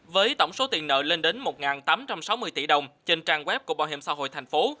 với tổng số tiền nợ lên đến một tám trăm sáu mươi tỷ đồng trên trang web của bảo hiểm xã hội thành phố